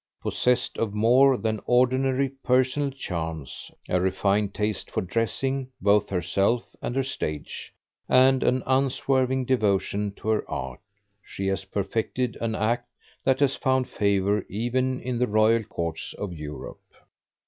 Possessed of more than ordinary personal charms, a refined taste for dressing both herself and her stage, and an unswerving devotion to her art, she has perfected an act that has found favor even in the Royal Courts of Europe.